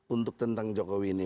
untuk tentang jokowi ini